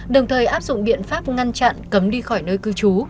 đồng thời áp dụng biện pháp ngăn chặn cấm đi khỏi nơi cư trú